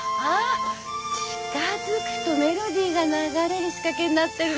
近づくとメロディーが流れる仕掛けになってるのよ。